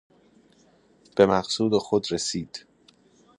بمقصود خود رسید